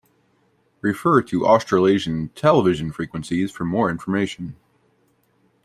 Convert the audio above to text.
Refer to Australasian television frequencies for more information.